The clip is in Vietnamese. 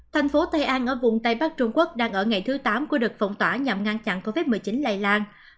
thành phố tây an ở vùng tây bắc trung quốc đang ở ngày thứ tám của đợt phong tỏa nhằm ngăn chặn covid một mươi chín lây lan